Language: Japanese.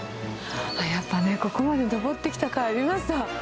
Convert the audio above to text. やっぱね、ここまで登ってきたかいありますよ。